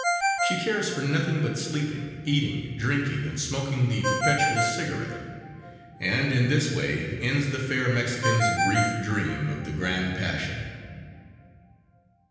She cares for nothing but sleeping, eating, drinking, and smoking the perpetual cigarette. And in this way ends the fair Mexican's brief dream of the _grande passion.